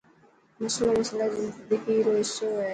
مسلو، مسئلا زندگي رو حصو هي.